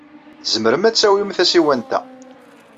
Tzemrem ad tawim tasiwant-a.